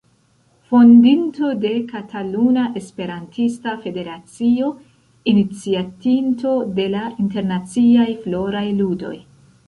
Fondinto de Kataluna Esperantista Federacio, iniciatinto de la Internaciaj Floraj Ludoj.